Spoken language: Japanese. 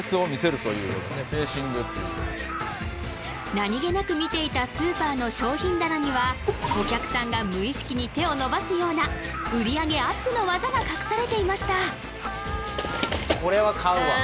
何げなく見ていたスーパーの商品棚にはお客さんが無意識に手を伸ばすような売り上げアップの技が隠されていましたあ